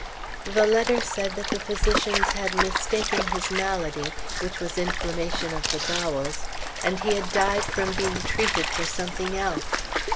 The letter said that the physicians had mistaken his malady, which was inflammation of the bowels, and he had died from being treated for something else.